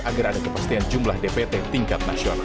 agar ada kepastian jumlah dpt tingkat nasional